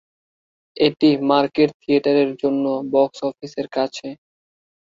এটি মার্কেট থিয়েটারের জন্য বক্স অফিসের কাছে।